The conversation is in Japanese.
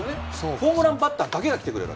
ホームランバッターだけが来てくれる。